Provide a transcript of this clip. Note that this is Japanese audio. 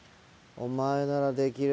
お前ならできる。